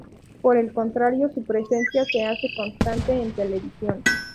Por el contrario, su presencia se hace constante en televisión.